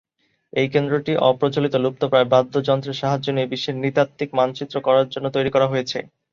এই কেন্দ্রটি অপ্রচলিত, লুপ্তপ্রায় বাদ্যযন্ত্রের সাহায্য নিয়ে বিশ্বের নৃতাত্ত্বিক মানচিত্র করার জন্য তৈরি করা হয়েছে।